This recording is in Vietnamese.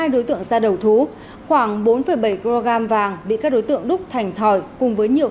hai đối tượng ra đầu thú khoảng bốn bảy kg vàng bị các đối tượng đúc thành thỏi cùng với nhiều